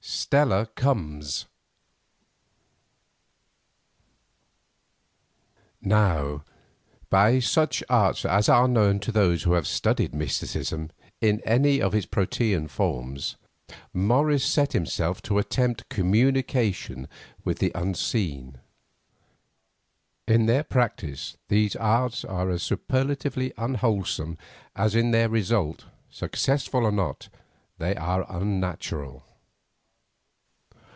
STELLA COMES Now, by such arts as are known to those who have studied mysticism in any of its protean forms, Morris set himself to attempt communication with the unseen. In their practice these arts are as superlatively unwholesome as in their result, successful or not, they are unnatural.